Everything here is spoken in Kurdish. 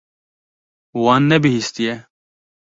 Wan nebihîstiye.